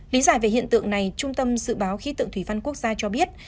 lý giải về hiện tượng này trung tâm dự báo khí tượng thủy văn quốc gia cho biết